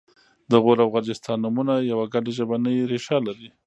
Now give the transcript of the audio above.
د غور او غرجستان نومونه یوه ګډه ژبنۍ ریښه لري